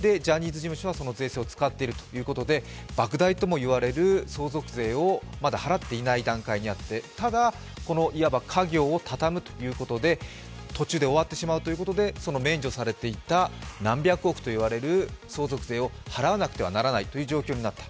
ジャニーズ事務所はその税制を使っているということで、ばく大ともいわれる相続税をまだ払っていない段階であってただ、このいわば家業を畳むということで、途中で終わってしまうということでその免除されていた何百億といわれる相続税を払わなくてはならないという状況になった。